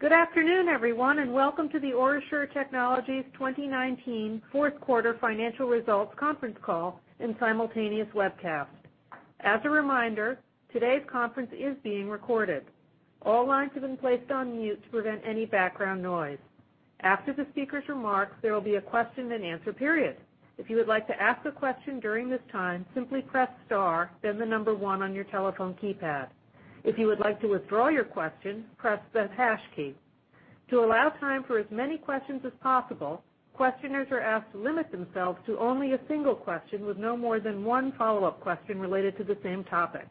Good afternoon, everyone, and welcome to the OraSure Technologies 2019 fourth quarter financial results conference call and simultaneous webcast. As a reminder, today's conference is being recorded. All lines have been placed on mute to prevent any background noise. After the speaker's remarks, there will be a question and answer period. If you would like to ask a question during this time, simply press star, then the number one on your telephone keypad. If you would like to withdraw your question, press the hash key. To allow time for as many questions as possible, questioners are asked to limit themselves to only a single question with no more than one follow-up question related to the same topic.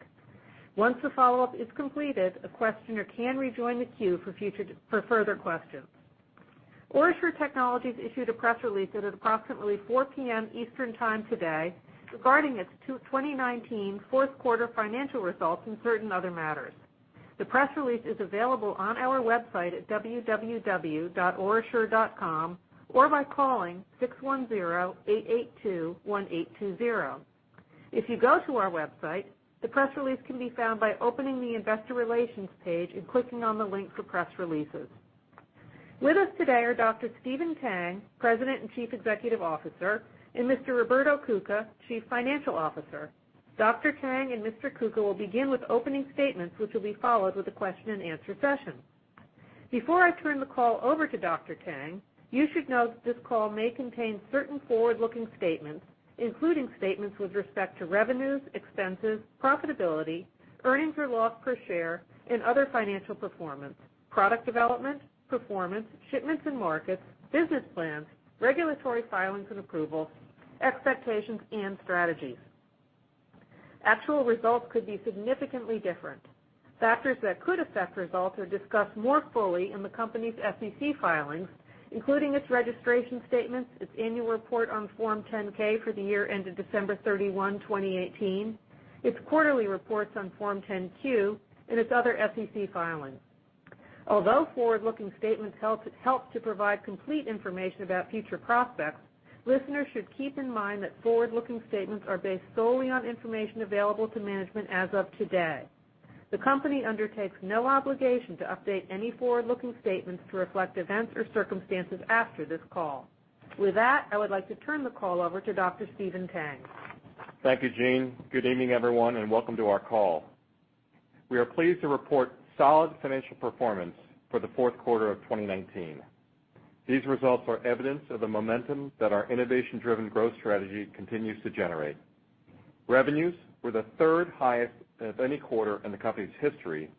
Once the follow-up is completed, a questioner can rejoin the queue for further questions. OraSure Technologies issued a press release at approximately 4:00 P.M. Eastern Time today regarding its 2019 fourth quarter financial results and certain other matters. The press release is available on our website at www.orasure.com or by calling 610-882-1820. If you go to our website, the press release can be found by opening the investor relations page and clicking on the link for press releases. With us today are Dr. Stephen Tang, President and Chief Executive Officer, and Mr. Roberto Cuca, Chief Financial Officer. Dr. Tang and Mr. Cuca will begin with opening statements, which will be followed with a question and answer session. Before I turn the call over to Dr. Tang, you should note that this call may contain certain forward-looking statements, including statements with respect to revenues, expenses, profitability, earnings or loss per share and other financial performance, product development, performance, shipments and markets, business plans, regulatory filings and approvals, expectations and strategies. Actual results could be significantly different. Factors that could affect results are discussed more fully in the company's SEC filings, including its registration statements, its annual report on Form 10-K for the year ended December 31, 2018, its quarterly reports on Form 10-Q and its other SEC filings. Although forward-looking statements help to provide complete information about future prospects, listeners should keep in mind that forward-looking statements are based solely on information available to management as of today. The company undertakes no obligation to update any forward-looking statements to reflect events or circumstances after this call. With that, I would like to turn the call over to Dr. Stephen Tang. Thank you, Jeanne. Good evening, everyone, and welcome to our call. We are pleased to report solid financial performance for the fourth quarter of 2019. These results are evidence of the momentum that our innovation-driven growth strategy continues to generate. Revenues were the third highest of any quarter in the company's history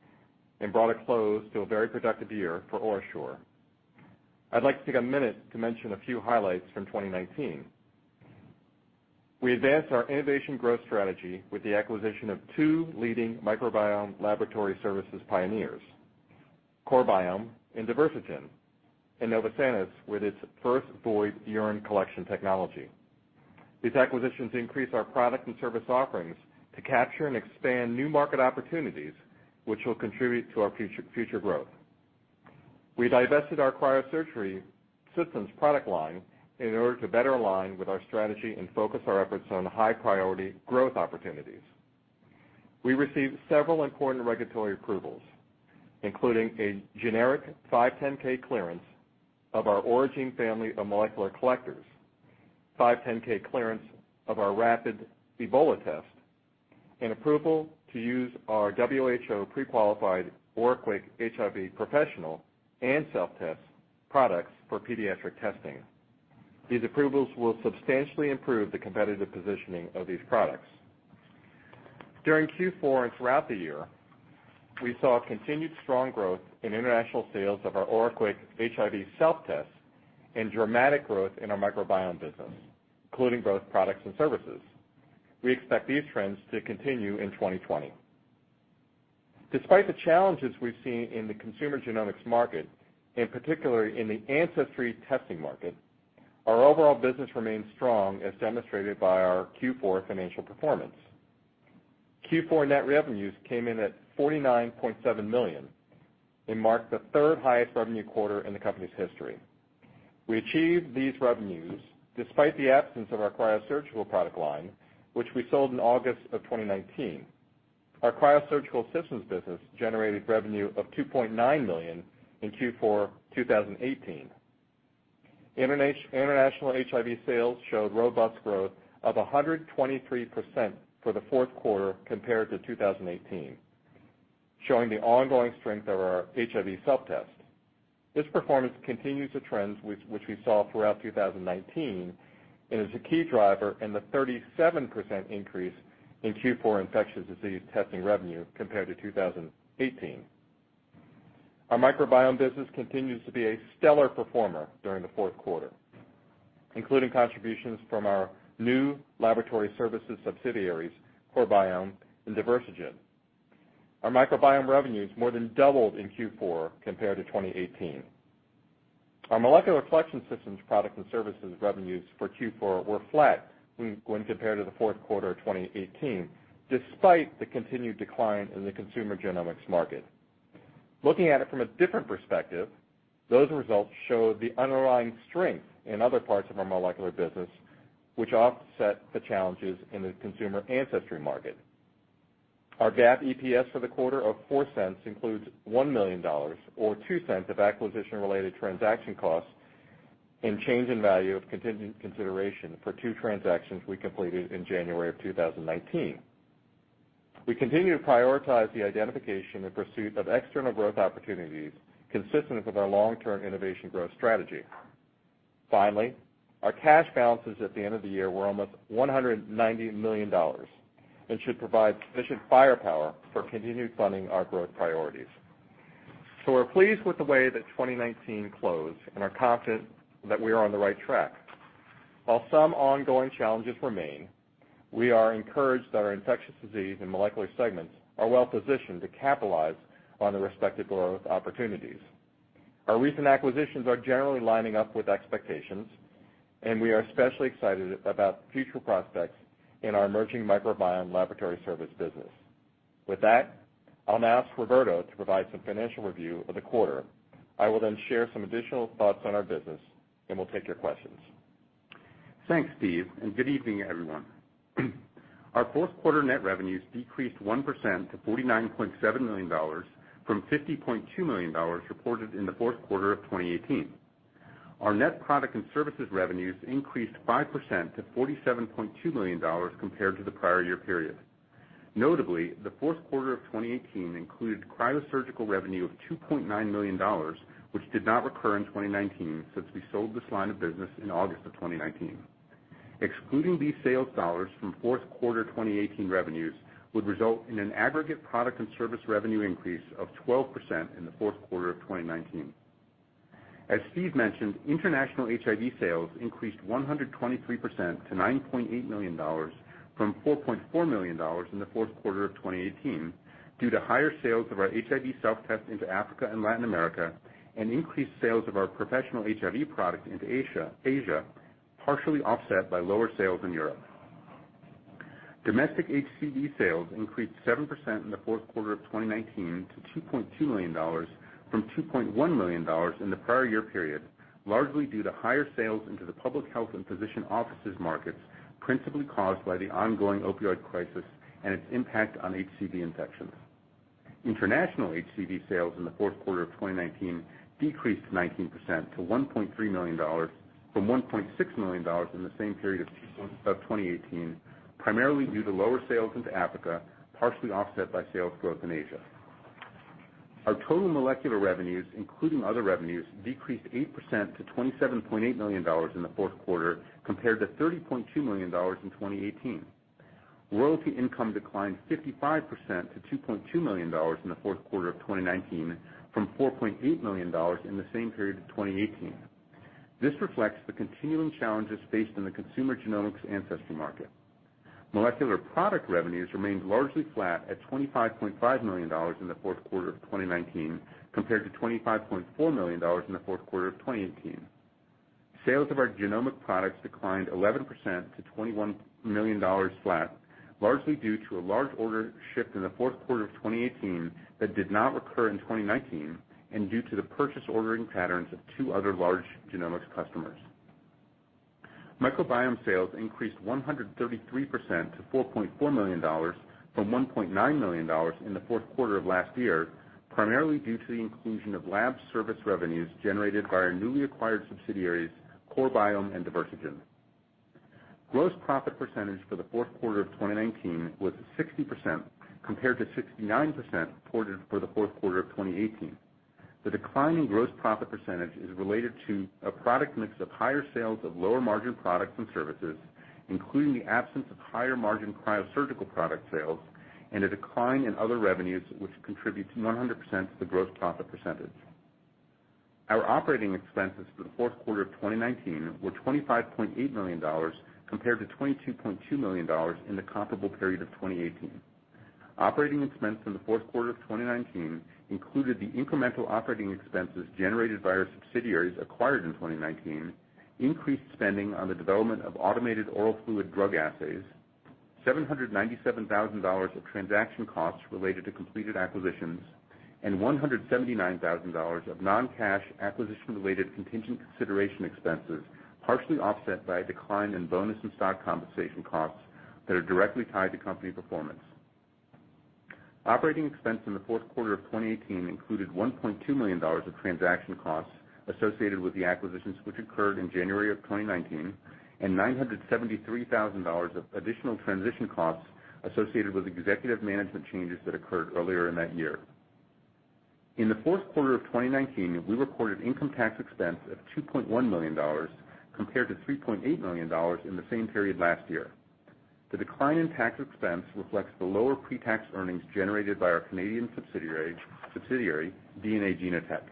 and brought a close to a very productive year for OraSure. I'd like to take a minute to mention a few highlights from 2019. We advanced our innovation growth strategy with the acquisition of two leading microbiome laboratory services pioneers, CoreBiome and Diversigen, and Novosanis with its first-void urine collection technology. These acquisitions increase our product and service offerings to capture and expand new market opportunities, which will contribute to our future growth. We divested our cryosurgery systems product line in order to better align with our strategy and focus our efforts on high-priority growth opportunities. We received several important regulatory approvals, including a generic 510(k) clearance of our Oragene family of molecular collectors, 510(k) clearance of our rapid Ebola test, and approval to use our WHO pre-qualified OraQuick HIV professional and self-test products for pediatric testing. These approvals will substantially improve the competitive positioning of these products. During Q4 and throughout the year, we saw continued strong growth in international sales of our OraQuick HIV self-test and dramatic growth in our microbiome business, including both products and services. We expect these trends to continue in 2020. Despite the challenges we've seen in the consumer genomics market, in particular in the ancestry testing market, our overall business remains strong as demonstrated by our Q4 financial performance. Q4 net revenues came in at $49.7 million and marked the third highest revenue quarter in the company's history. We achieved these revenues despite the absence of our cryosurgical product line, which we sold in August of 2019. Our cryosurgical systems business generated revenue of $2.9 million in Q4 2018. International HIV sales showed robust growth of 123% for the fourth quarter compared to 2018, showing the ongoing strength of our HIV self-test. This performance continues the trends which we saw throughout 2019 and is a key driver in the 37% increase in Q4 infectious disease testing revenue compared to 2018. Our microbiome business continues to be a stellar performer during the fourth quarter, including contributions from our new laboratory services subsidiaries, CoreBiome and Diversigen. Our microbiome revenues more than doubled in Q4 compared to 2018. Our molecular collection systems product and services revenues for Q4 were flat when compared to the fourth quarter of 2018, despite the continued decline in the consumer genomics market. Looking at it from a different perspective, those results show the underlying strength in other parts of our molecular business, which offset the challenges in the consumer Ancestry.com market. Our GAAP EPS for the quarter of $0.04 includes $1 million, or $0.02 of acquisition-related transaction costs and change in value of contingent consideration for two transactions we completed in January of 2019. We continue to prioritize the identification and pursuit of external growth opportunities consistent with our long-term innovation growth strategy. Finally, our cash balances at the end of the year were almost $190 million and should provide sufficient firepower for continued funding our growth priorities. We're pleased with the way that 2019 closed and are confident that we are on the right track. While some ongoing challenges remain, we are encouraged that our infectious disease and molecular segments are well-positioned to capitalize on the respective growth opportunities. Our recent acquisitions are generally lining up with expectations, and we are especially excited about the future prospects in our emerging microbiome laboratory service business. With that, I'll now ask Roberto to provide some financial review of the quarter. I will then share some additional thoughts on our business, and we'll take your questions. Thanks, Steve. Good evening, everyone. Our fourth quarter net revenues decreased 1% to $49.7 million from $50.2 million reported in the fourth quarter of 2018. Our net product and services revenues increased 5% to $47.2 million compared to the prior year period. Notably, the fourth quarter of 2018 included cryosurgical revenue of $2.9 million, which did not recur in 2019, since we sold this line of business in August of 2019. Excluding these sales dollars from fourth quarter 2018 revenues would result in an aggregate product and service revenue increase of 12% in the fourth quarter of 2019. As Steve mentioned, international HIV sales increased 123% to $9.8 million from $4.4 million in the fourth quarter of 2018 due to higher sales of our HIV self-test into Africa and Latin America, and increased sales of our professional HIV products into Asia, partially offset by lower sales in Europe. Domestic HCV sales increased 7% in the fourth quarter of 2019 to $2.2 million from $2.1 million in the prior year period, largely due to higher sales into the public health and physician offices markets, principally caused by the ongoing opioid crisis and its impact on HCV infections. International HCV sales in the fourth quarter of 2019 decreased 19% to $1.3 million from $1.6 million in the same period of 2018, primarily due to lower sales into Africa, partially offset by sales growth in Asia. Our total molecular revenues, including other revenues, decreased 8% to $27.8 million in the fourth quarter, compared to $30.2 million in 2018. Royalty income declined 55% to $2.2 million in the fourth quarter of 2019 from $4.8 million in the same period of 2018. This reflects the continuing challenges faced in the consumer genomics ancestry market. Molecular product revenues remained largely flat at $25.5 million in the fourth quarter of 2019, compared to $25.4 million in the fourth quarter of 2018. Sales of our genomic products declined 11% to $21 million flat, largely due to a large order shift in the fourth quarter of 2018 that did not recur in 2019, and due to the purchase ordering patterns of two other large genomics customers. Microbiome sales increased 133% to $4.4 million from $1.9 million in the fourth quarter of last year, primarily due to the inclusion of lab service revenues generated by our newly acquired subsidiaries, CoreBiome and Diversigen. Gross profit percentage for the fourth quarter of 2019 was 60%, compared to 69% reported for the fourth quarter of 2018. The decline in gross profit percentage is related to a product mix of higher sales of lower margin products and services, including the absence of higher margin cryosurgical product sales and a decline in other revenues, which contribute to 100% to the gross profit percentage. Our operating expenses for the fourth quarter of 2019 were $25.8 million, compared to $22.2 million in the comparable period of 2018. Operating expense in the fourth quarter of 2019 included the incremental operating expenses generated by our subsidiaries acquired in 2019, increased spending on the development of automated oral fluid drug assays, $797,000 of transaction costs related to completed acquisitions, and $179,000 of non-cash acquisition-related contingent consideration expenses, partially offset by a decline in bonus and stock compensation costs that are directly tied to company performance. Operating expense in the fourth quarter of 2018 included $1.2 million of transaction costs associated with the acquisitions, which occurred in January of 2019, and $973,000 of additional transition costs associated with executive management changes that occurred earlier in that year. In the fourth quarter of 2019, we recorded income tax expense of $2.1 million compared to $3.8 million in the same period last year. The decline in tax expense reflects the lower pre-tax earnings generated by our Canadian subsidiary, DNA Genotek.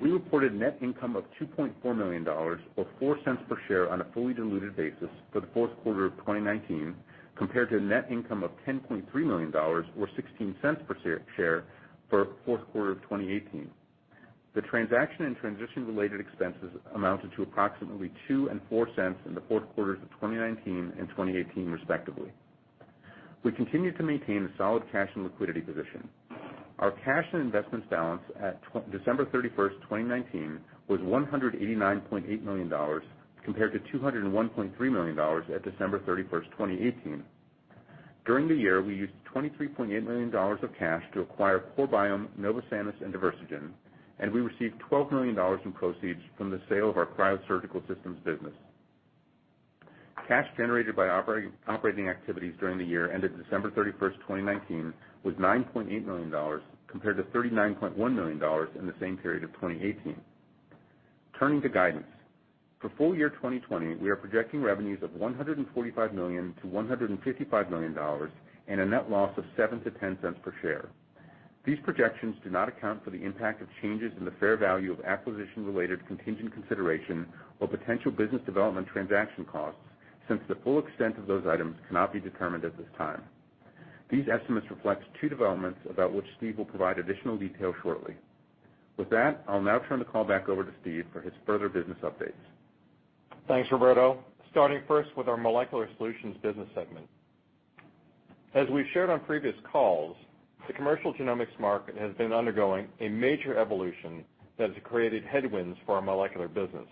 We reported net income of $2.4 million or $0.04 per share on a fully diluted basis for the fourth quarter of 2019, compared to net income of $10.3 million or $0.16 per share for fourth quarter of 2018. The transaction and transition related expenses amounted to approximately $0.02 and $0.04 in the fourth quarters of 2019 and 2018, respectively. We continue to maintain a solid cash and liquidity position. Our cash and investments balance at December 31st, 2019, was $189.8 million compared to $201.3 million at December 31st, 2018. During the year, we used $23.8 million of cash to acquire CoreBiome, Novosanis, and Diversigen, and we received $12 million in proceeds from the sale of our cryosurgical systems business. Cash generated by operating activities during the year ended December 31st, 2019, was $9.8 million, compared to $39.1 million in the same period of 2018. Turning to guidance. For full year 2020, we are projecting revenues of $145 million-$155 million, and a net loss of $0.07-$0.10 per share. These projections do not account for the impact of changes in the fair value of acquisition-related contingent consideration or potential business development transaction costs, since the full extent of those items cannot be determined at this time. These estimates reflect two developments about which Steve will provide additional detail shortly. With that, I'll now turn the call back over to Steve for his further business updates. Thanks, Roberto. Starting first with our Molecular Solutions Business Segment. As we've shared on previous calls, the commercial genomics market has been undergoing a major evolution that has created headwinds for our molecular business.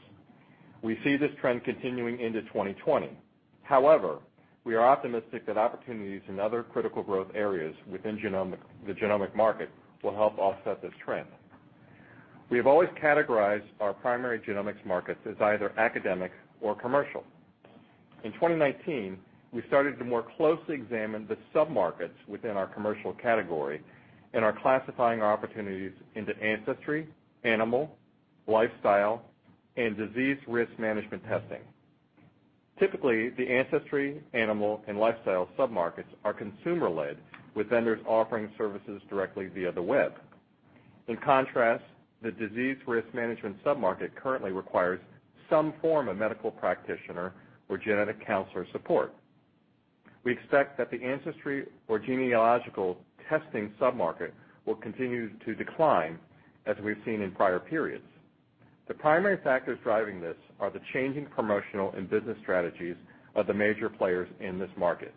We see this trend continuing into 2020. However, we are optimistic that opportunities in other critical growth areas within the genomic market will help offset this trend. We have always categorized our primary genomics markets as either academic or commercial. In 2019, we started to more closely examine the sub-markets within our commercial category, and are classifying our opportunities into ancestry, animal, lifestyle, and disease risk management testing. Typically, the ancestry, animal, and lifestyle sub-markets are consumer-led, with vendors offering services directly via the web. In contrast, the disease risk management sub-market currently requires some form of medical practitioner or genetic counselor support. We expect that the ancestry or genealogical testing sub-market will continue to decline as we've seen in prior periods. The primary factors driving this are the changing promotional and business strategies of the major players in this market.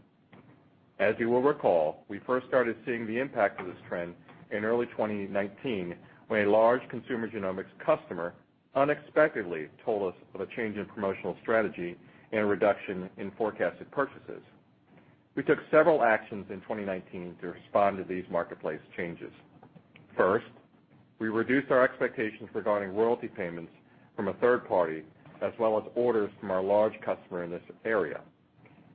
As you will recall, we first started seeing the impact of this trend in early 2019 when a large consumer genomics customer unexpectedly told us of a change in promotional strategy and a reduction in forecasted purchases. We took several actions in 2019 to respond to these marketplace changes. First, we reduced our expectations regarding royalty payments from a third party, as well as orders from our large customer in this area.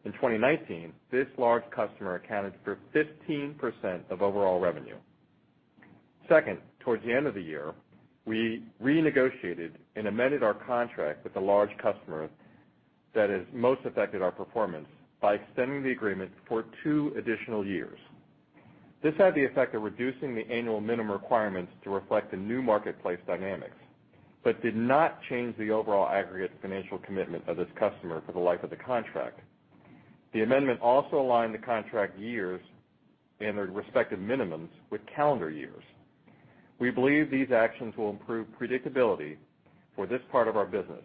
In 2019, this large customer accounted for 15% of overall revenue. Second, towards the end of the year, we renegotiated and amended our contract with the large customer that has most affected our performance by extending the agreement for two additional years. This had the effect of reducing the annual minimum requirements to reflect the new marketplace dynamics, but did not change the overall aggregate financial commitment of this customer for the life of the contract. The amendment also aligned the contract years and their respective minimums with calendar years. We believe these actions will improve predictability for this part of our business.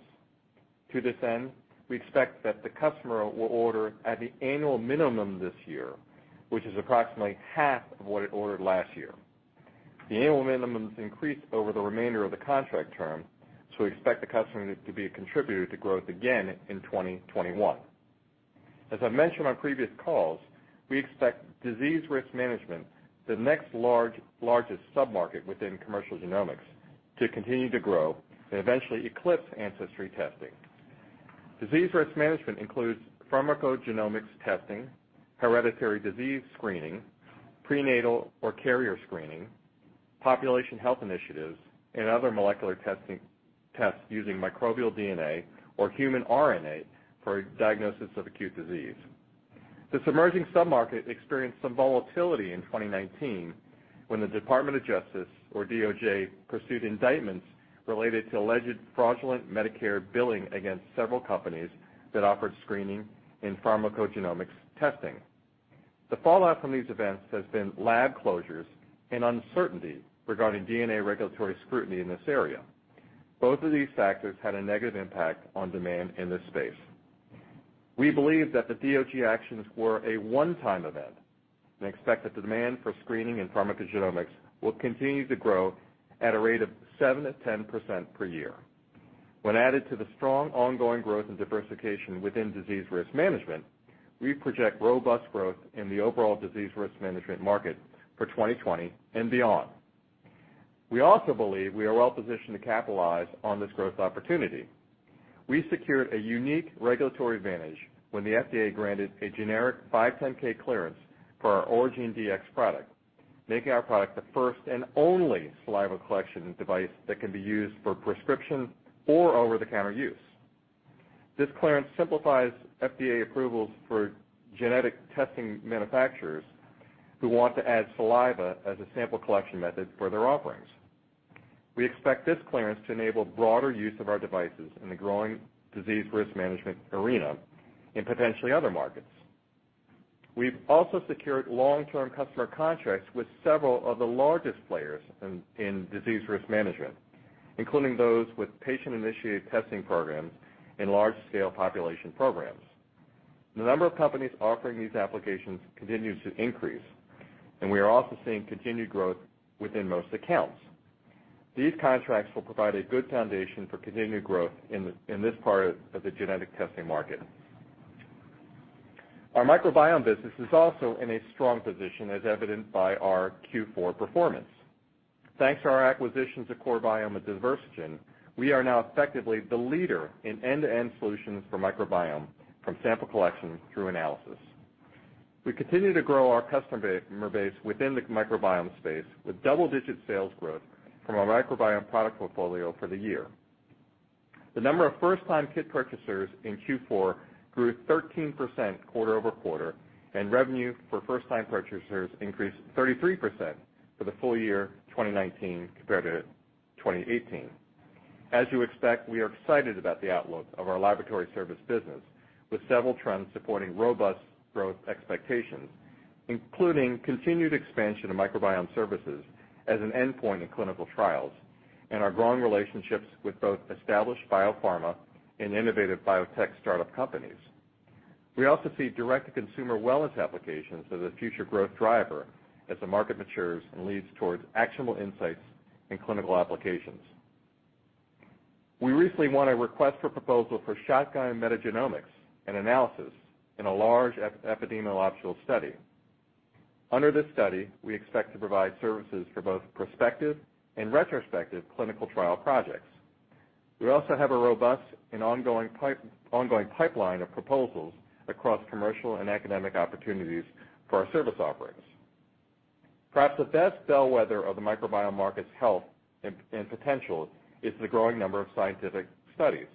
To this end, we expect that the customer will order at the annual minimum this year, which is approximately half of what it ordered last year. The annual minimums increase over the remainder of the contract term, so we expect the customer to be a contributor to growth again in 2021. As I've mentioned on previous calls, we expect disease risk management, the next largest sub-market within commercial genomics, to continue to grow and eventually eclipse ancestry testing. Disease risk management includes pharmacogenomics testing, hereditary disease screening, prenatal or carrier screening, population health initiatives, and other molecular tests using microbial DNA or human RNA for diagnosis of acute disease. This emerging sub-market experienced some volatility in 2019 when the Department of Justice, or DOJ, pursued indictments related to alleged fraudulent Medicare billing against several companies that offered screening and pharmacogenomics testing. The fallout from these events has been lab closures and uncertainty regarding DNA regulatory scrutiny in this area. Both of these factors had a negative impact on demand in this space. We believe that the DOJ actions were a one-time event. We expect that the demand for screening and pharmacogenomics will continue to grow at a rate of 7%-10% per year. When added to the strong ongoing growth and diversification within disease risk management, we project robust growth in the overall disease risk management market for 2020 and beyond. We also believe we are well positioned to capitalize on this growth opportunity. We secured a unique regulatory advantage when the FDA granted a generic 510(k) clearance for our Oragene Dx product, making our product the first and only saliva collection device that can be used for prescription or over-the-counter use. This clearance simplifies FDA approvals for genetic testing manufacturers who want to add saliva as a sample collection method for their offerings. We expect this clearance to enable broader use of our devices in the growing disease risk management arena and potentially other markets. We've also secured long-term customer contracts with several of the largest players in disease risk management, including those with patient-initiated testing programs and large-scale population programs. The number of companies offering these applications continues to increase, and we are also seeing continued growth within most accounts. These contracts will provide a good foundation for continued growth in this part of the genetic testing market. Our microbiome business is also in a strong position, as evidenced by our Q4 performance. Thanks to our acquisitions of CoreBiome and Diversigen, we are now effectively the leader in end-to-end solutions for microbiome, from sample collection through analysis. We continue to grow our customer base within the microbiome space, with double-digit sales growth from our microbiome product portfolio for the year. The number of first-time kit purchasers in Q4 grew 13% quarter-over-quarter, and revenue for first-time purchasers increased 33% for the full year 2019 compared to 2018. As you expect, we are excited about the outlook of our laboratory service business, with several trends supporting robust growth expectations, including continued expansion of microbiome services as an endpoint in clinical trials and our growing relationships with both established biopharma and innovative biotech startup companies. We also see direct-to-consumer wellness applications as a future growth driver as the market matures and leads towards actionable insights in clinical applications. We recently won a request for proposal for shotgun metagenomics and analysis in a large epidemiological study. Under this study, we expect to provide services for both prospective and retrospective clinical trial projects. We also have a robust and ongoing pipeline of proposals across commercial and academic opportunities for our service offerings. Perhaps the best bellwether of the microbiome market's health and potential is the growing number of scientific studies.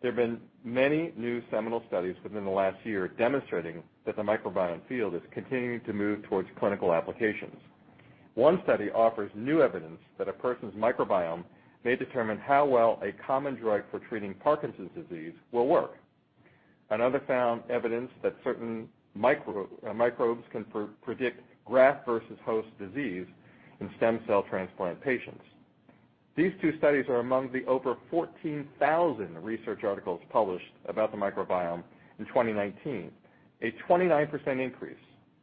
There have been many new seminal studies within the last year demonstrating that the microbiome field is continuing to move towards clinical applications. One study offers new evidence that a person's microbiome may determine how well a common drug for treating Parkinson's disease will work. Another found evidence that certain microbes can predict graft-versus-host disease in stem cell transplant patients. These two studies are among the over 14,000 research articles published about the microbiome in 2019, a 29% increase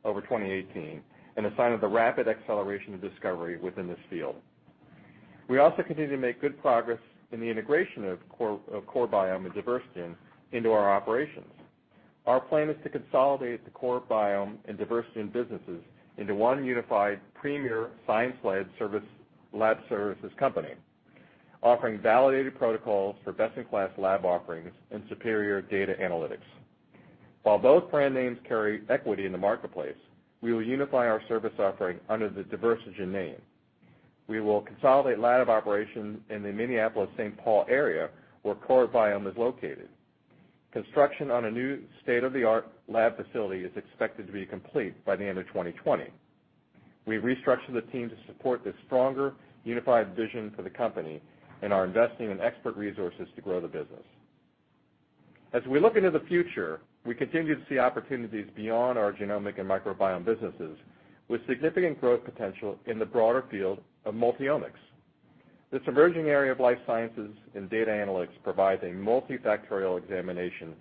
over 2018, and a sign of the rapid acceleration of discovery within this field. We also continue to make good progress in the integration of CoreBiome and Diversigen into our operations. Our plan is to consolidate the CoreBiome and Diversigen businesses into one unified, premier, science-led lab services company, offering validated protocols for best-in-class lab offerings and superior data analytics. While both brand names carry equity in the marketplace, we will unify our service offering under the Diversigen name. We will consolidate line of operations in the Minneapolis-St. Paul area, where CoreBiome is located. Construction on a new state-of-the-art lab facility is expected to be complete by the end of 2020. We've restructured the team to support this stronger, unified vision for the company and are investing in expert resources to grow the business. As we look into the future, we continue to see opportunities beyond our genomic and microbiome businesses, with significant growth potential in the broader field of multi-omics. This emerging area of life sciences and data analytics provides a multifactorial examination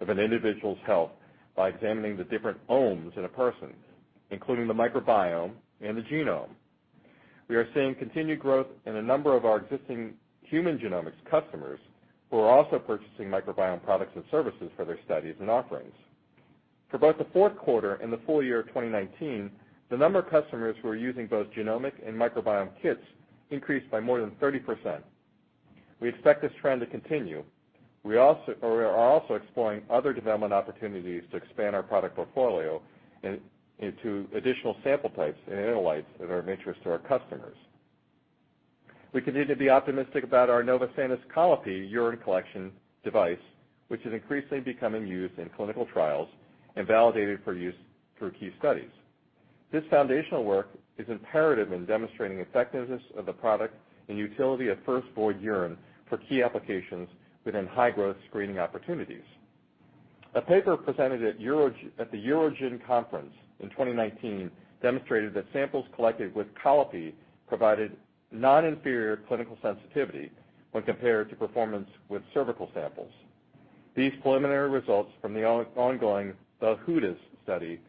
of an individual's health by examining the different -omes in a person, including the microbiome and the genome. We are seeing continued growth in a number of our existing human genomics customers, who are also purchasing microbiome products and services for their studies and offerings. For both the fourth quarter and the full year of 2019, the number of customers who are using both genomic and microbiome kits increased by more than 30%. We expect this trend to continue. We are also exploring other development opportunities to expand our product portfolio into additional sample types and analytes that are of interest to our customers. We continue to be optimistic about our Novosanis Colli-Pee urine collection device, which is increasingly becoming used in clinical trials and validated for use for key studies. This foundational work is imperative in demonstrating effectiveness of the product and utility of first void urine for key applications within high-growth screening opportunities. A paper presented at the EUROGIN conference in 2019 demonstrated that samples collected with Colli-Pee provided non-inferior clinical sensitivity when compared to performance with cervical samples. These preliminary results from the ongoing VALHUDES study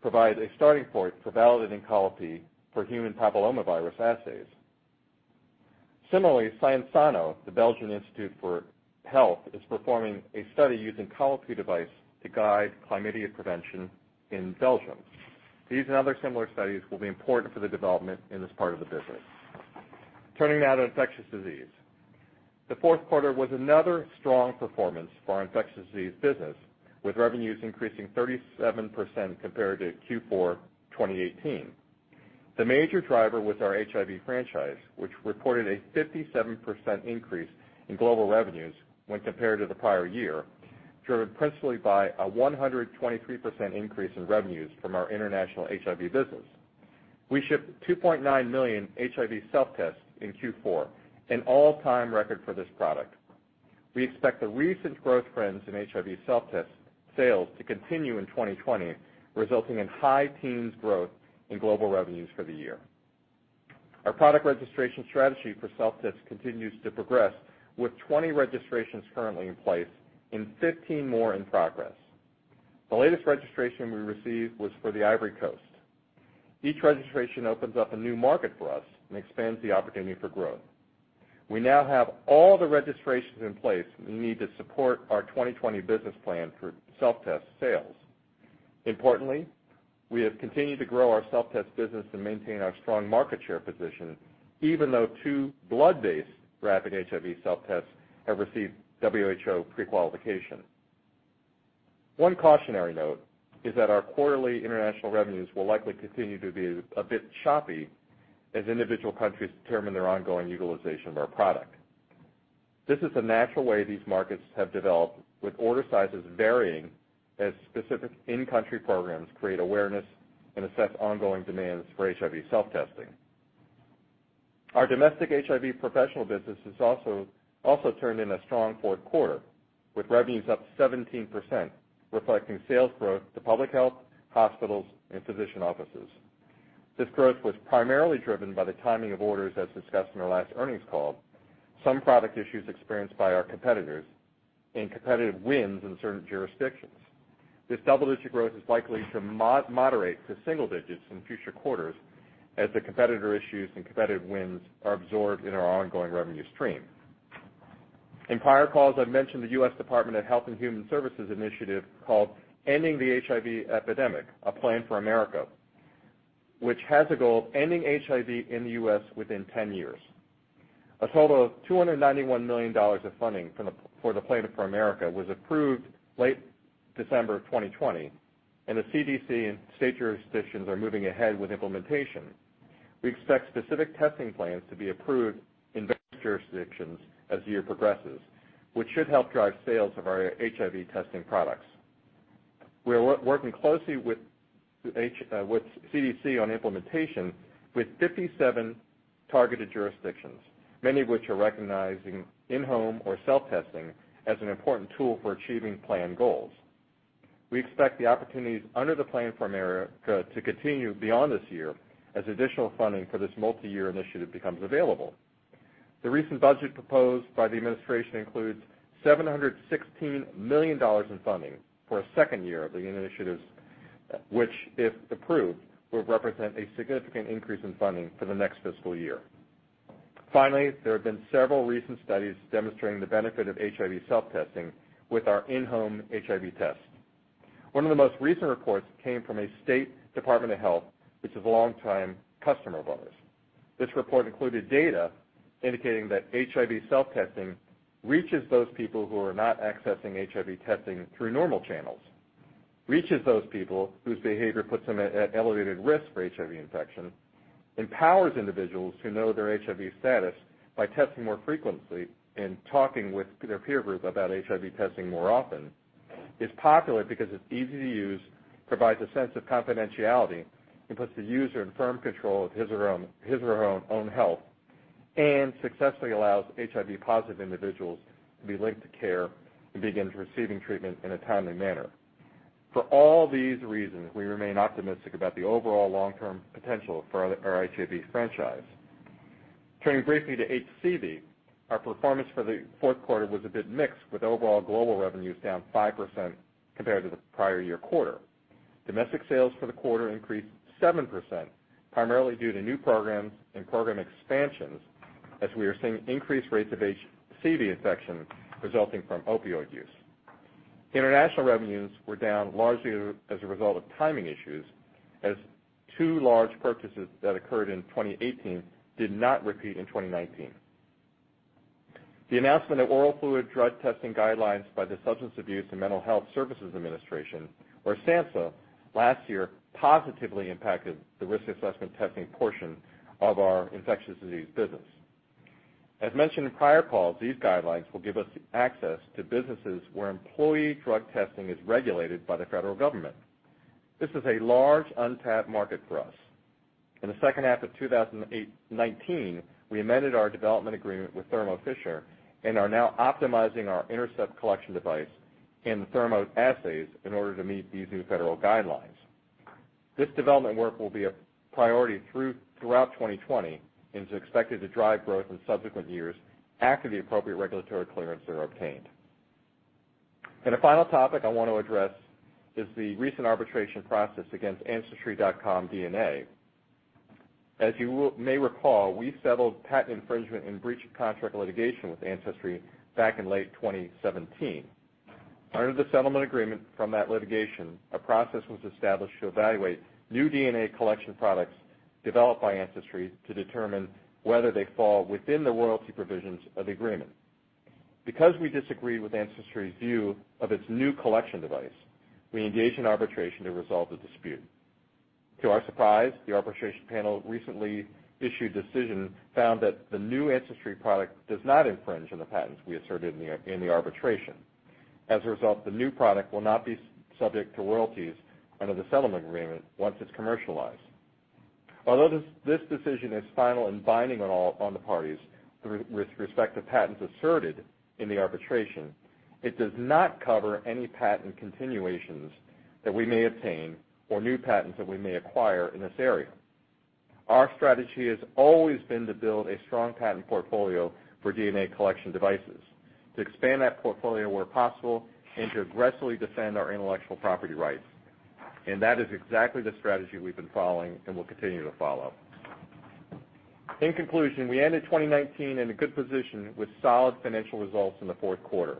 provide a starting point for validating Colli-Pee for human papillomavirus assays. Similarly, Sciensano, the Belgian Institute for Health, is performing a study using Colli-Pee device to guide chlamydia prevention in Belgium. These and other similar studies will be important for the development in this part of the business. Turning now to infectious disease. The fourth quarter was another strong performance for our infectious disease business, with revenues increasing 37% compared to Q4 2018. The major driver was our HIV franchise, which reported a 57% increase in global revenues when compared to the prior year, driven principally by a 123% increase in revenues from our international HIV business. We shipped 2.9 million HIV self-tests in Q4, an all-time record for this product. We expect the recent growth trends in HIV self-test sales to continue in 2020, resulting in high teens growth in global revenues for the year. Our product registration strategy for self-tests continues to progress with 20 registrations currently in place and 15 more in progress. The latest registration we received was for the Ivory Coast. Each registration opens up a new market for us and expands the opportunity for growth. We now have all the registrations in place we need to support our 2020 business plan for self-test sales. Importantly, we have continued to grow our self-test business and maintain our strong market share position, even though two blood-based rapid HIV self-tests have received WHO pre-qualification. One cautionary note is that our quarterly international revenues will likely continue to be a bit choppy as individual countries determine their ongoing utilization of our product. This is the natural way these markets have developed with order sizes varying as specific in-country programs create awareness and assess ongoing demands for HIV self-testing. Our domestic HIV professional business has also turned in a strong fourth quarter, with revenues up 17%, reflecting sales growth to public health, hospitals, and physician offices. This growth was primarily driven by the timing of orders, as discussed in our last earnings call, some product issues experienced by our competitors, and competitive wins in certain jurisdictions. This double-digit growth is likely to moderate to single digits in future quarters as the competitor issues and competitive wins are absorbed in our ongoing revenue stream. In prior calls, I've mentioned the U.S. Department of Health and Human Services initiative called Ending the HIV Epidemic: A Plan for America, which has a goal of ending HIV in the U.S. within 10 years. A total of $291 million of funding for the Plan for America was approved late December of 2020. The CDC and state jurisdictions are moving ahead with implementation. We expect specific testing plans to be approved in various jurisdictions as the year progresses, which should help drive sales of our HIV testing products. We are working closely with CDC on implementation with 57 targeted jurisdictions, many of which are recognizing in-home or self-testing as an important tool for achieving plan goals. We expect the opportunities under the Plan for America to continue beyond this year as additional funding for this multi-year initiative becomes available. The recent budget proposed by the administration includes $716 million in funding for a second year of the initiatives, which, if approved, will represent a significant increase in funding for the next fiscal year. Finally, there have been several recent studies demonstrating the benefit of HIV self-testing with our in-home HIV test. One of the most recent reports came from a state Department of Health, which is a long-time customer of ours. This report included data indicating that HIV self-testing reaches those people who are not accessing HIV testing through normal channels, reaches those people whose behavior puts them at elevated risk for HIV infection, empowers individuals to know their HIV status by testing more frequently and talking with their peer group about HIV testing more often. It's popular because it's easy to use, provides a sense of confidentiality, and puts the user in firm control of his or her own health, and successfully allows HIV-positive individuals to be linked to care and begin receiving treatment in a timely manner. For all these reasons, we remain optimistic about the overall long-term potential for our HIV franchise. Turning briefly to HCV, our performance for the fourth quarter was a bit mixed, with overall global revenues down 5% compared to the prior year quarter. Domestic sales for the quarter increased 7%, primarily due to new programs and program expansions as we are seeing increased rates of HCV infection resulting from opioid use. International revenues were down largely as a result of timing issues, as two large purchases that occurred in 2018 did not repeat in 2019. The announcement of oral fluid drug testing guidelines by the Substance Abuse and Mental Health Services Administration, or SAMHSA, last year positively impacted the risk assessment testing portion of our infectious disease business. As mentioned in prior calls, these guidelines will give us access to businesses where employee drug testing is regulated by the federal government. This is a large untapped market for us. In the second half of 2019, we amended our development agreement with Thermo Fisher and are now optimizing our Intercept collection device and the Thermo assays in order to meet these new federal guidelines. This development work will be a priority throughout 2020 and is expected to drive growth in subsequent years after the appropriate regulatory clearance are obtained. A final topic I want to address is the recent arbitration process against Ancestry.com DNA. As you may recall, we settled patent infringement and breach of contract litigation with Ancestry back in late 2017. Under the settlement agreement from that litigation, a process was established to evaluate new DNA collection products developed by Ancestry to determine whether they fall within the royalty provisions of the agreement. Because we disagree with Ancestry's view of its new collection device, we engaged in arbitration to resolve the dispute. To our surprise, the arbitration panel's recently issued decision found that the new Ancestry product does not infringe on the patents we asserted in the arbitration. As a result, the new product will not be subject to royalties under the settlement agreement once it's commercialized. Although this decision is final and binding on the parties with respect to patents asserted in the arbitration. It does not cover any patent continuations that we may obtain or new patents that we may acquire in this area. Our strategy has always been to build a strong patent portfolio for DNA collection devices, to expand that portfolio where possible, and to aggressively defend our intellectual property rights. That is exactly the strategy we've been following and will continue to follow. In conclusion, we ended 2019 in a good position with solid financial results in the fourth quarter.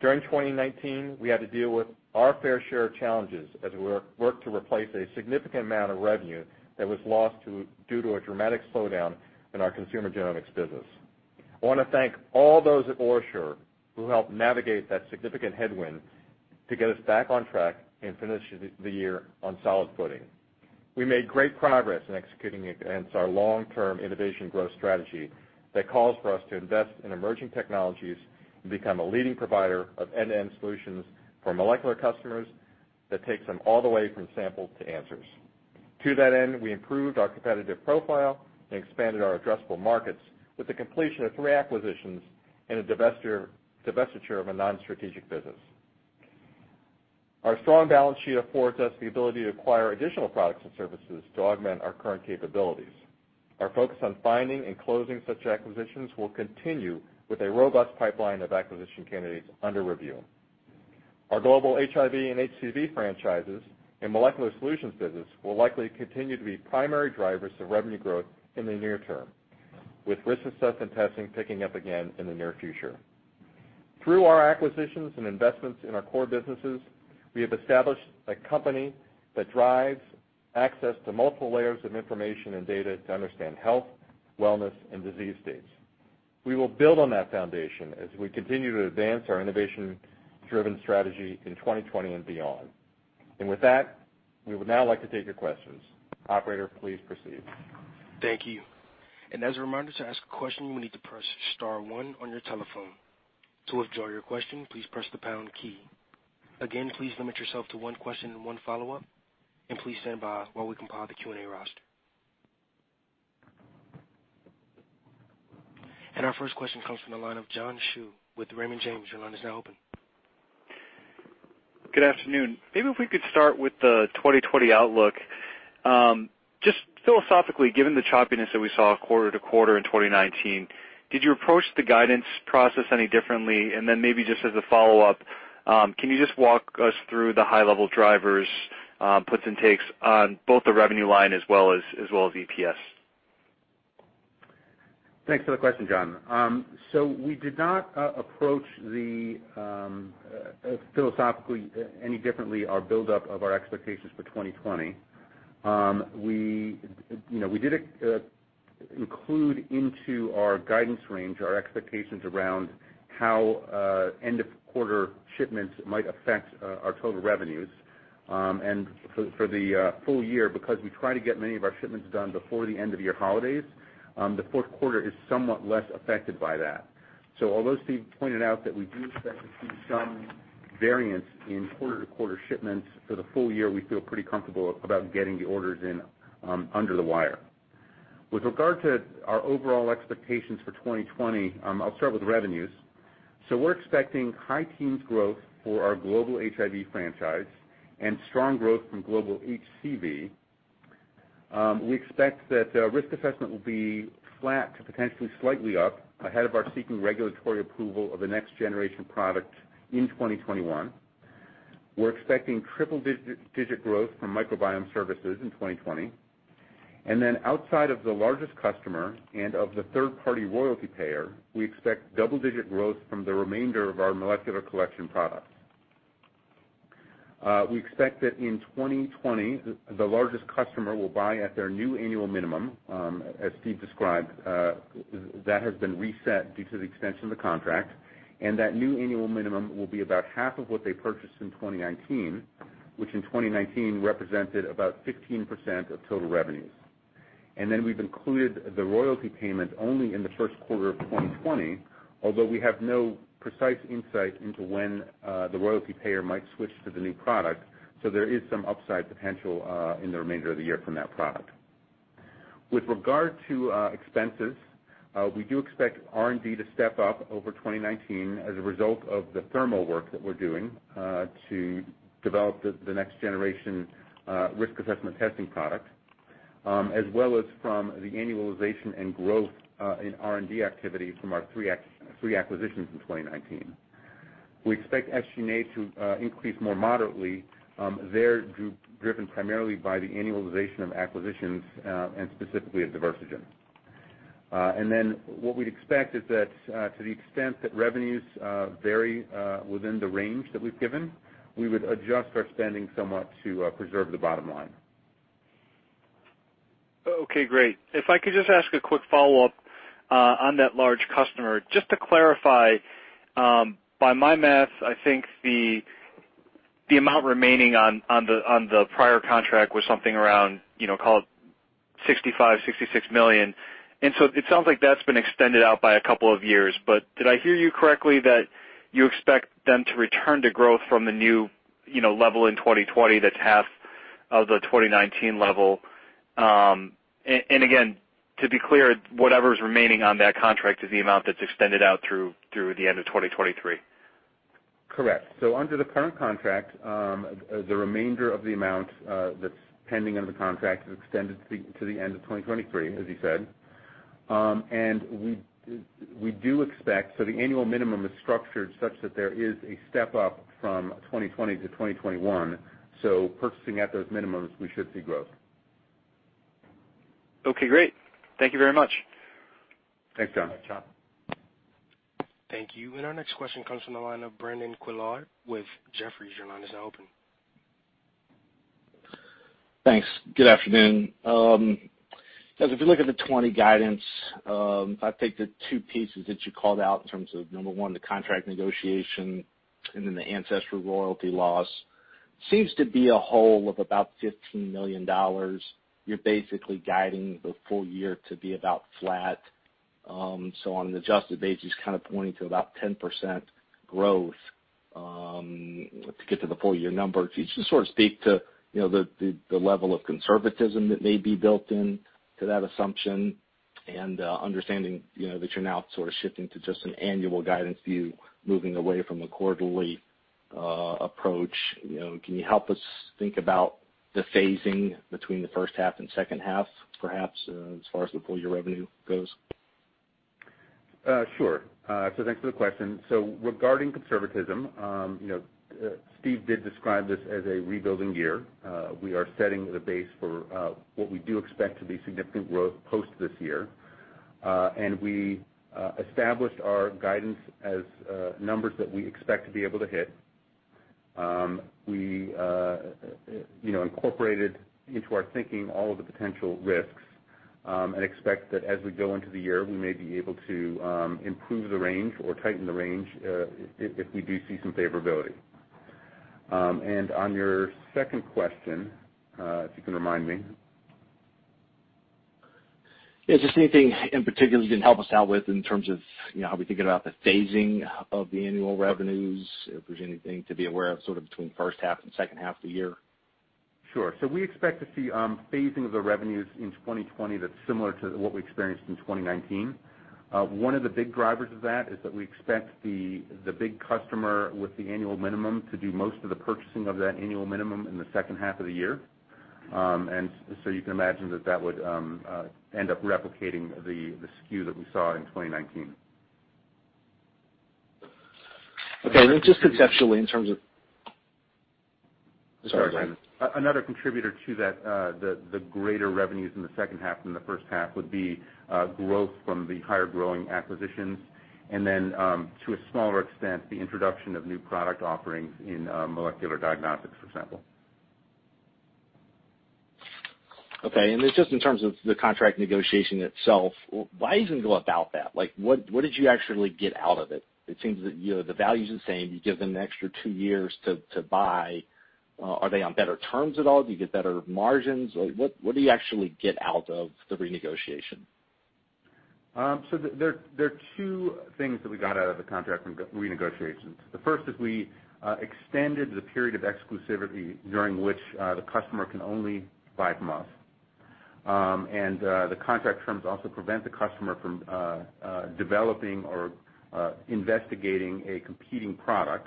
During 2019, we had to deal with our fair share of challenges as we worked to replace a significant amount of revenue that was lost due to a dramatic slowdown in our consumer genomics business. I want to thank all those at OraSure who helped navigate that significant headwind to get us back on track and finish the year on solid footing. We made great progress in executing against our long-term innovation growth strategy that calls for us to invest in emerging technologies and become a leading provider of end-to-end solutions for molecular customers that takes them all the way from sample to answers. To that end, we improved our competitive profile and expanded our addressable markets with the completion of three acquisitions and a divestiture of a non-strategic business. Our strong balance sheet affords us the ability to acquire additional products and services to augment our current capabilities. Our focus on finding and closing such acquisitions will continue with a robust pipeline of acquisition candidates under review. Our global HIV and HCV franchises and molecular solutions business will likely continue to be primary drivers of revenue growth in the near term, with risk assessment testing picking up again in the near future. Through our acquisitions and investments in our core businesses, we have established a company that drives access to multiple layers of information and data to understand health, wellness, and disease states. We will build on that foundation as we continue to advance our innovation-driven strategy in 2020 and beyond. With that, we would now like to take your questions. Operator, please proceed. Thank you. As a reminder, to ask a question, you will need to press star one on your telephone. To withdraw your question, please press the pound key. Again, please limit yourself to one question and one follow-up, and please stand by while we compile the Q&A roster. Our first question comes from the line of John Hsu with Raymond James. Your line is now open. Good afternoon. If we could start with the 2020 outlook. Just philosophically, given the choppiness that we saw quarter to quarter in 2019, did you approach the guidance process any differently? Just as a follow-up, can you just walk us through the high-level drivers, puts and takes, on both the revenue line as well as EPS? Thanks for the question, John. We did not approach, philosophically, any differently our buildup of our expectations for 2020. We did include into our guidance range, our expectations around how end of quarter shipments might affect our total revenues. For the full year, because we try to get many of our shipments done before the end of year holidays, the fourth quarter is somewhat less affected by that. Although Steve pointed out that we do expect to see some variance in quarter-to-quarter shipments for the full year, we feel pretty comfortable about getting the orders in under the wire. With regard to our overall expectations for 2020, I'll start with revenues. We're expecting high teens growth for our global HIV franchise and strong growth from global HCV. We expect that risk assessment will be flat to potentially slightly up, ahead of our seeking regulatory approval of the next generation product in 2021. We're expecting triple-digit growth from microbiome services in 2020. Outside of the largest customer and of the third-party royalty payer, we expect double-digit growth from the remainder of our molecular collection products. We expect that in 2020, the largest customer will buy at their new annual minimum, as Steve described. That has been reset due to the extension of the contract, and that new annual minimum will be about half of what they purchased in 2019, which in 2019 represented about 15% of total revenues. We've included the royalty payment only in the first quarter of 2020, although we have no precise insight into when the royalty payer might switch to the new product. There is some upside potential in the remainder of the year from that product. With regard to expenses, we do expect R&D to step up over 2019 as a result of the Thermo work that we're doing to develop the next generation risk assessment testing product, as well as from the annualization and growth in R&D activities from our three acquisitions in 2019. We expect SG&A to increase more moderately, there driven primarily by the annualization of acquisitions, and specifically of Diversigen. What we'd expect is that to the extent that revenues vary within the range that we've given, we would adjust our spending somewhat to preserve the bottom line. Okay, great. If I could just ask a quick follow-up on that large customer, just to clarify, by my math, I think the amount remaining on the prior contract was something around call it $65 million, $66 million. It sounds like that's been extended out by a couple of years, but did I hear you correctly that you expect them to return to growth from the new level in 2020 that's half of the 2019 level. To be clear, whatever's remaining on that contract is the amount that's extended out through the end of 2023? Correct. Under the current contract, the remainder of the amount that's pending under the contract is extended to the end of 2023, as you said. The annual minimum is structured such that there is a step-up from 2020 to 2021, so purchasing at those minimums, we should see growth. Okay, great. Thank you very much. Thanks, John. Thank you. Our next question comes from the line of Brandon Couillard with Jefferies. Your line is now open. Thanks. Good afternoon. If you look at the 2020 guidance, I think the two pieces that you called out in terms of, number one, the contract negotiation and then the Ancestry royalty loss, seems to be a hole of about $15 million. You're basically guiding the full year to be about flat. On an adjusted basis, kind of pointing to about 10% growth to get to the full year number. Could you just sort of speak to the level of conservatism that may be built into that assumption? Understanding that you're now sort of shifting to just an annual guidance view, moving away from a quarterly approach, can you help us think about the phasing between the first half and second half, perhaps, as far as the full year revenue goes? Sure. Thanks for the question. Regarding conservatism, Steve did describe this as a rebuilding year. We are setting the base for what we do expect to be significant growth post this year. We established our guidance as numbers that we expect to be able to hit. We incorporated into our thinking all of the potential risks, and expect that as we go into the year, we may be able to improve the range or tighten the range if we do see some favorability. On your second question, if you can remind me. Is there anything in particular you can help us out with in terms of how we think about the phasing of the annual revenues, if there's anything to be aware of sort of between first half and second half of the year? Sure. We expect to see phasing of the revenues in 2020 that's similar to what we experienced in 2019. One of the big drivers of that is that we expect the big customer with the annual minimum to do most of the purchasing of that annual minimum in the second half of the year. You can imagine that that would end up replicating the skew that we saw in 2019. Okay. Just conceptually in terms of Sorry, go ahead. Another contributor to that, the greater revenues in the second half than the first half would be growth from the higher-growing acquisitions. Then, to a smaller extent, the introduction of new product offerings in molecular diagnostics, for example. Okay. It's just in terms of the contract negotiation itself, why even go about that? What did you actually get out of it? It seems that the value's the same. You give them an extra two years to buy. Are they on better terms at all? Do you get better margins? What do you actually get out of the renegotiation? There are two things that we got out of the contract renegotiations. The first is we extended the period of exclusivity during which the customer can only buy from us. The contract terms also prevent the customer from developing or investigating a competing product,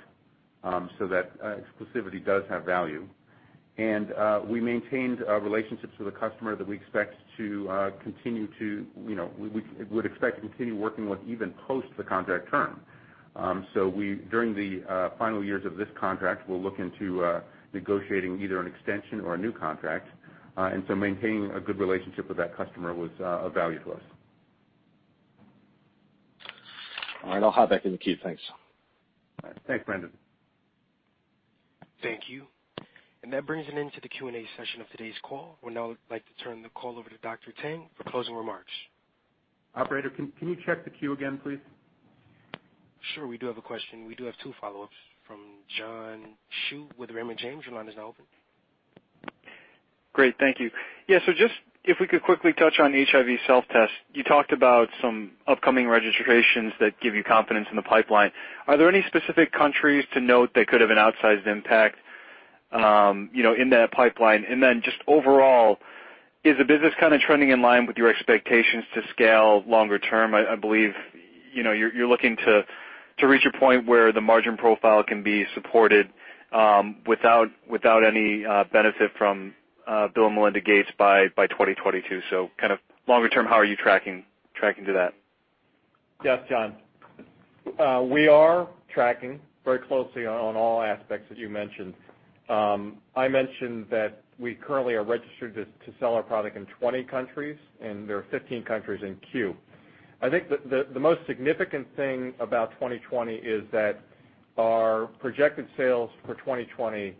so that exclusivity does have value. We maintained relationships with a customer that we would expect to continue working with even post the contract term. During the final years of this contract, we'll look into negotiating either an extension or a new contract. Maintaining a good relationship with that customer was of value to us. All right. I'll hop back in the queue. Thanks. All right. Thanks, Brandon. Thank you. That brings an end to the Q&A session of today's call. We'd now like to turn the call over to Dr. Tang for closing remarks. Operator, can you check the queue again, please? Sure, we do have a question. We do have two follow-ups from John Hsu with Raymond James. Your line is now open. Great. Thank you. Yeah, just if we could quickly touch on HIV self-test. You talked about some upcoming registrations that give you confidence in the pipeline. Are there any specific countries to note that could have an outsized impact in that pipeline? Then just overall, is the business kind of trending in line with your expectations to scale longer term? I believe you're looking to reach a point where the margin profile can be supported without any benefit from Bill and Melinda Gates by 2022. Kind of longer term, how are you tracking to that? Yes, John. We are tracking very closely on all aspects that you mentioned. I mentioned that we currently are registered to sell our product in 20 countries, and there are 15 countries in queue. I think the most significant thing about 2020 is that our projected sales for 2020 are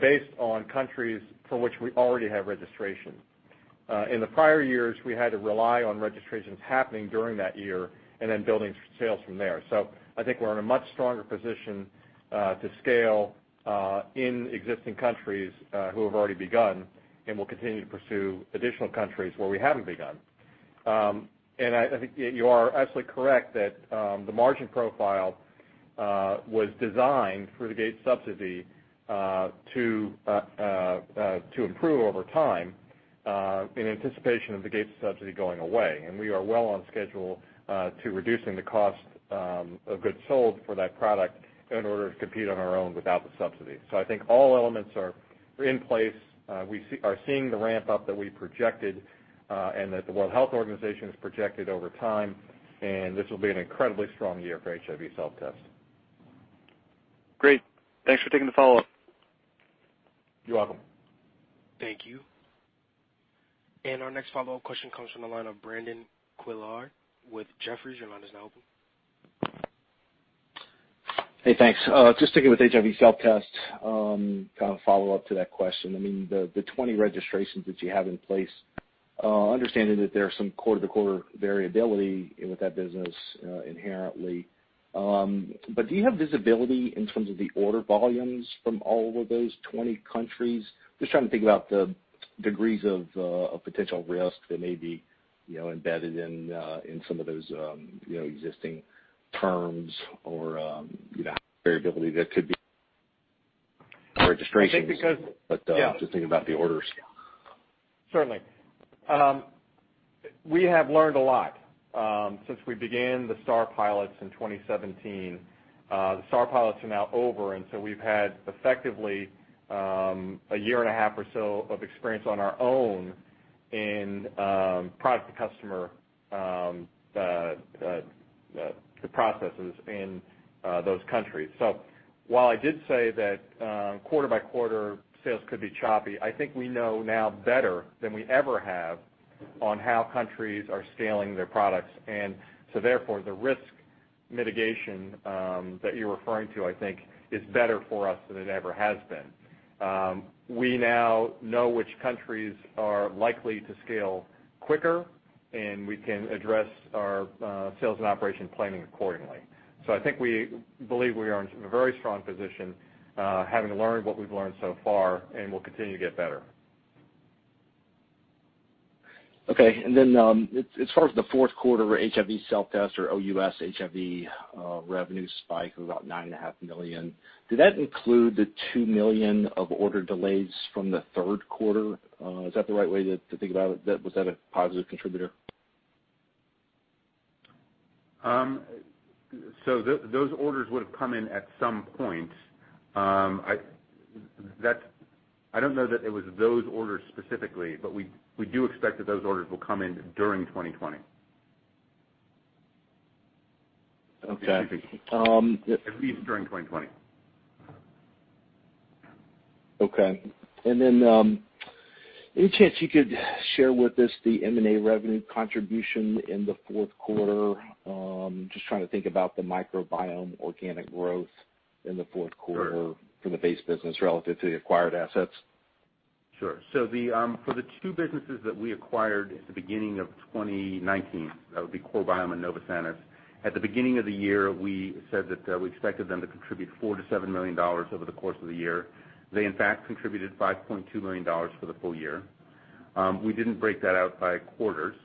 based on countries for which we already have registration. In the prior years, we had to rely on registrations happening during that year and then building sales from there. I think we're in a much stronger position to scale in existing countries who have already begun, and we'll continue to pursue additional countries where we haven't begun. I think you are absolutely correct that the margin profile was designed for the Gates subsidy to improve over time in anticipation of the Gates subsidy going away. We are well on schedule to reducing the cost of goods sold for that product in order to compete on our own without the subsidy. I think all elements are in place. We are seeing the ramp-up that we projected and that the World Health Organization has projected over time, and this will be an incredibly strong year for HIV self-test. Great. Thanks for taking the follow-up. You're welcome. Thank you. Our next follow-up question comes from the line of Brandon Couillard with Jefferies. Your line is now open. Hey, thanks. Just sticking with HIV self-test, follow-up to that question. The 20 registrations that you have in place, understanding that there's some quarter-to-quarter variability with that business inherently, but do you have visibility in terms of the order volumes from all of those 20 countries? Just trying to think about the degrees of potential risk that may be embedded in some of those existing terms or variability that could be. I think because- registrations, but just thinking about the orders. Certainly. We have learned a lot since we began the STAR pilots in 2017. The STAR pilots are now over, and so we've had effectively a year and a half or so of experience on our own in product to customer processes in those countries. While I did say that quarter by quarter sales could be choppy, I think we know now better than we ever have on how countries are scaling their products. Therefore, the risk mitigation that you're referring to, I think, is better for us than it ever has been. We now know which countries are likely to scale quicker, and we can address our sales and operation planning accordingly. I think we believe we are in a very strong position, having learned what we've learned so far, and we'll continue to get better. Okay. As far as the fourth quarter HIV self-test or OUS HIV revenue spike of about $9.5 Million, did that include the $2 million of order delays from the third quarter? Is that the right way to think about it? Was that a positive contributor? Those orders would've come in at some point. I don't know that it was those orders specifically, but we do expect that those orders will come in during 2020. Okay. At least during 2020. Okay. Any chance you could share with us the M&A revenue contribution in the fourth quarter? Just trying to think about the microbiome organic growth in the fourth quarter. Sure for the base business relative to the acquired assets. Sure. For the two businesses that we acquired at the beginning of 2019, that would be CoreBiome and Novosanis. At the beginning of the year, we said that we expected them to contribute $4 million-$7 million over the course of the year. They in fact contributed $5.2 million for the full year. We didn't break that out by quarters.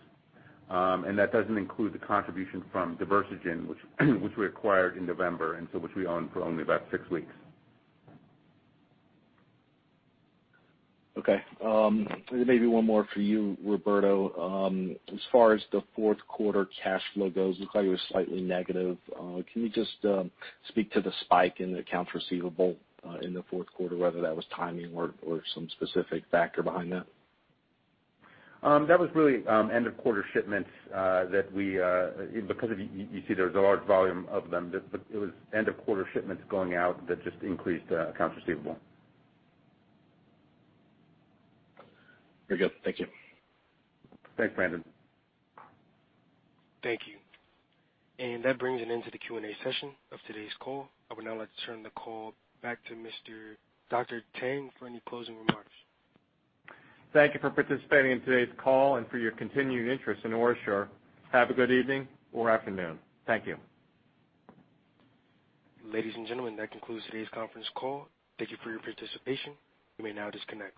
That doesn't include the contribution from Diversigen, which we acquired in November, which we owned for only about six weeks. Okay. Maybe one more for you, Roberto. As far as the fourth quarter cash flow goes, looks like it was slightly negative. Can you just speak to the spike in the accounts receivable in the fourth quarter, whether that was timing or some specific factor behind that? That was really end of quarter shipments because you see there was a large volume of them, but it was end of quarter shipments going out that just increased accounts receivable. Very good. Thank you. Thanks, Brandon. Thank you. That brings an end to the Q&A session of today's call. I would now like to turn the call back to Dr. Tang for any closing remarks. Thank you for participating in today's call and for your continuing interest in OraSure. Have a good evening or afternoon. Thank you. Ladies and gentlemen, that concludes today's conference call. Thank you for your participation. You may now disconnect.